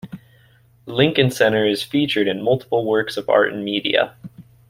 Lincoln Center is featured in multiple works of art and media.